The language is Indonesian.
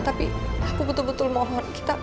tapi aku betul betul mohon